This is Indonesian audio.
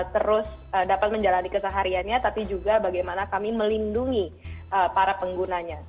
terus dapat menjalani kesehariannya tapi juga bagaimana kami melindungi para penggunanya